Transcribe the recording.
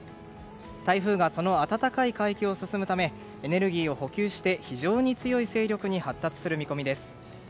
台風がその暖かい海域を進むためエネルギーを補給して非常に強い勢力に発達する見込みです。